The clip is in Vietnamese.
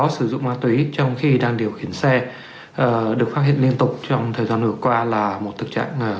sử dụng ma túy trong khi đang điều khiển xe được phát hiện liên tục trong thời gian vừa qua là một thực trạng